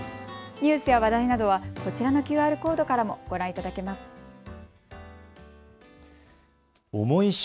ニュースや話題などは、こちらのＱＲコードからもご覧いただけます。